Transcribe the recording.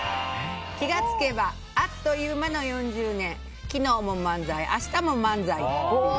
「気がつけばあっという間の４０年昨日も漫才明日も漫才」。